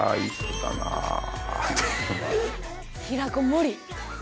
平子無理。